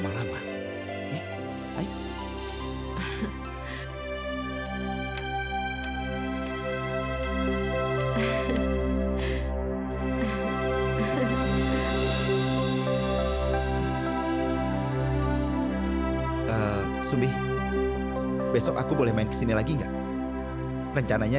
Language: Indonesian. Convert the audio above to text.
malamnya aku langsung mencarinya